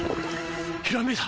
ひらめいた！